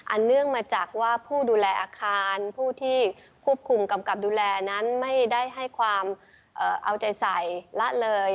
เนื่องมาจากว่าผู้ดูแลอาคารผู้ที่ควบคุมกำกับดูแลนั้นไม่ได้ให้ความเอาใจใส่ละเลย